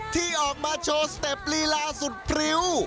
ที่ออกมาโชว์สเต็ปลีลาสุดพริ้ว